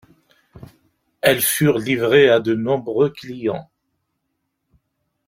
Elles furent livrées à de nombreux clients.